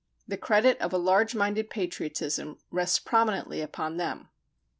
The credit of a large minded patriotism rests prominently upon them.